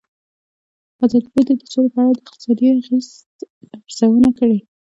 ازادي راډیو د سوله په اړه د اقتصادي اغېزو ارزونه کړې.